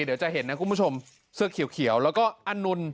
เดี๋ยวจะเห็นนะคุณผู้ชมเสื้อเขียวแล้วก็อนนท์